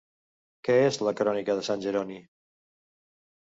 Què és la crònica de sant Jeroni?